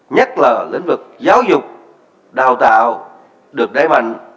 nhất là lĩnh vực giáo dục đào tạo được đáy mạnh